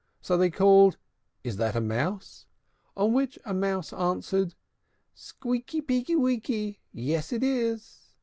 So they called out, "Is that a mouse?" On which a mouse answered, "Squeaky peeky weeky! yes, it is!"